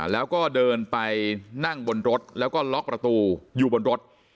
แล้วก็เดินไปนั่งบนรถแล้วก็ล็อกประตูอยู่บนรถ